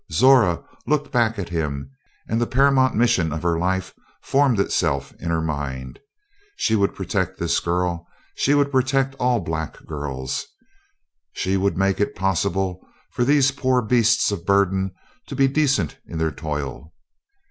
Zora looked back at him and the paramount mission of her life formed itself in her mind. She would protect this girl; she would protect all black girls. She would make it possible for these poor beasts of burden to be decent in their toil.